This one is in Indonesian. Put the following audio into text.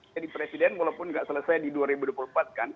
jadi presiden walaupun gak selesai di dua ribu dua puluh empat kan